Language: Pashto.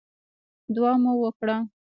دعا مو وکړه.